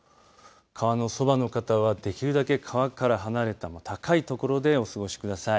川のそばの方はできるだけ川から離れた高い所でお過ごしください。